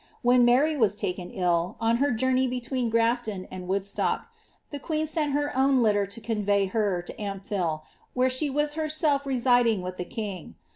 When Mar\' was taken iBL, on her journey between Grafton and Woodstock, the queen sent hir own litter to convey lier to Ampthill, where she was herself residiif with the king.